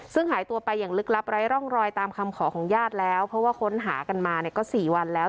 ซึ่งหายตัวไปอย่างลึกลับไร้ร่องรอยตามคำขอของญาติแล้วเพราะว่าค้นหากันมาเนี่ยก็๔วันแล้ว